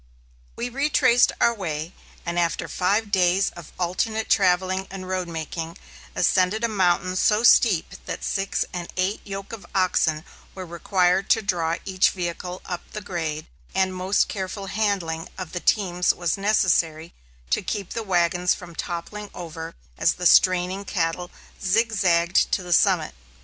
We retraced our way, and after five days of alternate travelling and road making, ascended a mountain so steep that six and eight yoke of oxen were required to draw each vehicle up the grade, and most careful handling of the teams was necessary to keep the wagons from toppling over as the straining cattle zigzaged to the summit.